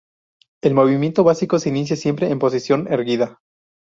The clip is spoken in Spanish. El movimiento básico se inicia siempre en posición erguida.